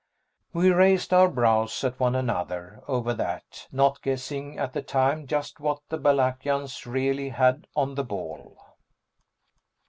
We raised our brows at one another over that, not guessing at the time just what the Balakians really had on the ball.